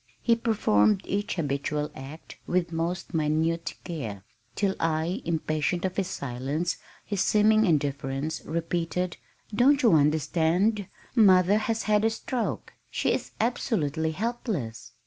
He performed each habitual act with most minute care, till I, impatient of his silence, his seeming indifference, repeated, "Don't you understand? Mother has had a stroke! She is absolutely helpless."